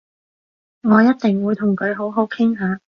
我一定會同佢好好傾下